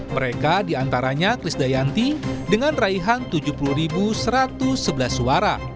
mereka diantaranya chris dayanti dengan raihan tujuh puluh satu ratus sebelas suara